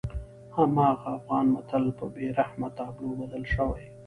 هماغه افغان متل په بېرحمه تابلو بدل شوی.